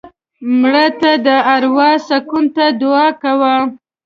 مړه ته د اروا سکون ته دعا کوو